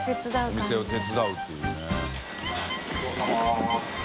お店を手伝うっていうね。